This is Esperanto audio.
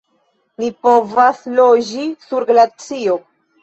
"Ni povas loĝi sur glacio!"